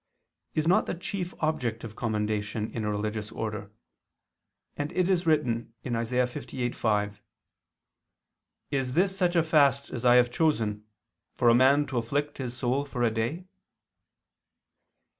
ii, 2), is not the chief object of commendation in a religious order; and it is written (Isa. 58:5): "Is this such a fast as I have chosen, for a man to afflict his soul for a day?"